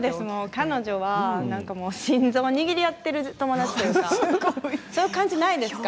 彼女とは心臓を握り合っている友達というかそういう感じないですか